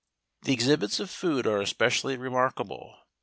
The exhibits of food are especially remarkable.